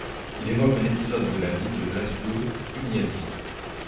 Il évoque un épisode de la vie de László Hunyadi.